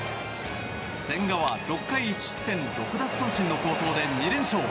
千賀は６回１失点６奪三振の好投で２連勝。